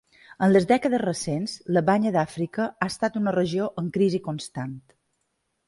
En les dècades recents, la Banya d'Àfrica ha estat una regió en crisi constant.